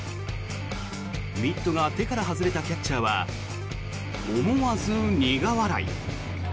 ミットが手から外れたキャッチャーは思わず苦笑い。